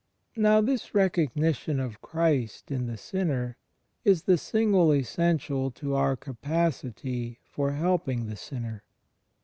Now this recognition of Christ in the Sinner is the single essential to our capacity for helping the sinner.